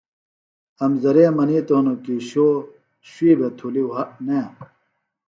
امزرے منِیتوۡ ہنوۡ کیۡ شو شُوی بھےۡ تُھلیۡ وھہ نے